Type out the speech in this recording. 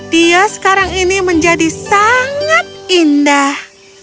dia sekarang ini menjadi sangat indah